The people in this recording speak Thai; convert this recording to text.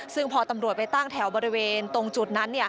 ซึ่งพอตำรวจไปตั้งแถวบริเวณตรงจุดนั้น